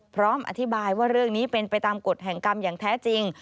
พร้อมอธิบายว่าเรื่องนี้เป็นไปตามกฎแห่งกรรมอย่างแท้จริง